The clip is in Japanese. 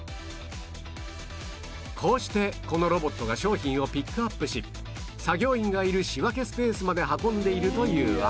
こうしてこのロボットが商品をピックアップし作業員がいる仕分けスペースまで運んでいるというわけ